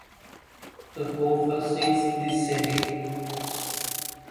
The choir first sings this setting.